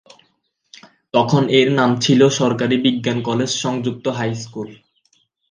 তখন এর নাম ছিল সরকারি বিজ্ঞান কলেজ সংযুক্ত হাই স্কুল।